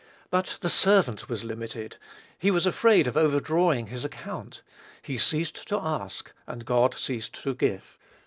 But the servant was limited. He was afraid of overdrawing his account. He ceased to ask, and God ceased to give.